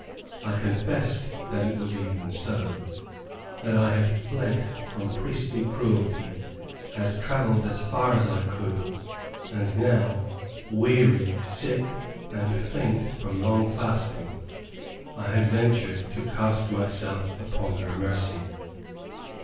I confessed that it was even so; that I had fled from priestly cruelty, had travelled as far as I could, and now, weary, sick, and faint from long fasting, I had ventured to cast myself upon her mercy.